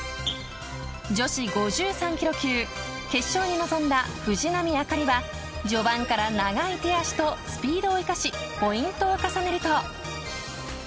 女子５３キロ級決勝に臨んだ藤波朱里は序盤から長い手足とスピードを生かしポイントを重ねると。